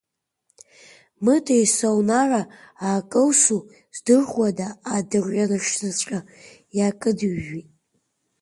Мыта исаунара аакылсу здырхуада, адырҩаҽныҵәҟьа икыдижәеит.